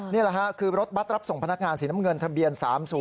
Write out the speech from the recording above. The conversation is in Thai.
นี่แหละครับคือรถบัตรรับส่งพนักงานสินเงินทะเบียน๓๐๑๖๗๔